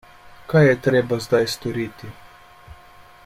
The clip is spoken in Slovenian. Kaj je treba zdaj storiti?